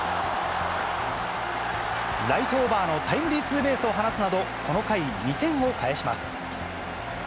ライトオーバーのタイムリーツーベースを放つなど、この回２点を返します。